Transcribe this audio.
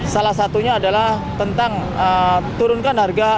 salah satunya adalah tentang turunkan harga